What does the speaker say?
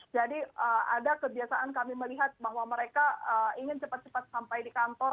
jadi ada kebiasaan kami melihat bahwa mereka ingin cepat cepat sampai di kantor